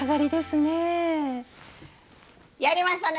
やりましたね！